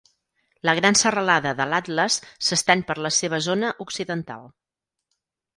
La gran serralada de l'Atles s'estén per la seva zona occidental.